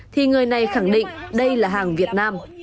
thì người này khẳng định đây là hàng việt nam